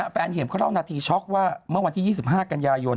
เห็มเขาเล่านาทีช็อกว่าเมื่อวันที่๒๕กันยายน